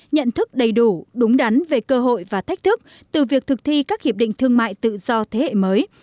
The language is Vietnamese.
nhận thức đầy đủ đúng đắn về cơ hội và thách thức từ việc thực thi các hiệp định thương mại tự do thế hệ mới